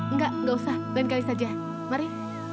nggak nggak usah lain kali saja mari